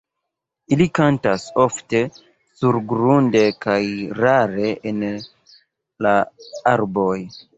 Ili kantas ofte surgrunde kaj rare en la arboj.